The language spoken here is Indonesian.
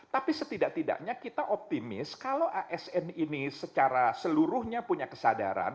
tapi setidak tidaknya kita optimis kalau asn ini secara seluruhnya punya kesadaran